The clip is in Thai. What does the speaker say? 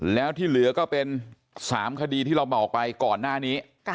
แล้วที่เหลือก็เป็น๓คดีที่เราบอกไปก่อนหน้านี้